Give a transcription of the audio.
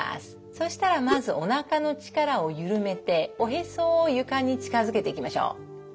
そしたらまずおなかの力を緩めておへそを床に近づけていきましょう。